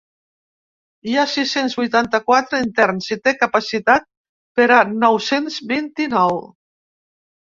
Hi ha sis-cents vuitanta-quatre interns i té capacitat per a nou-cents vint-i-nou.